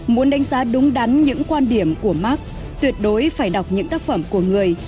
muốn đánh giá đúng đắn những quan điểm của mark tuyệt đối phải đọc những tác phẩm của người